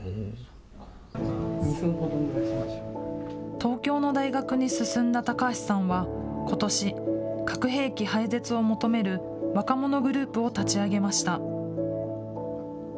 東京の大学に進んだ高橋さんは、ことし、核兵器廃絶を求める若者グループを立ち上げました。